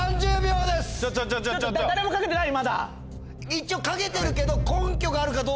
一応書けてるけど。